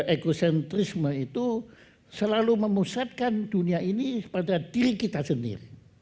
ekocentrisme itu selalu memusatkan dunia ini pada diri kita sendiri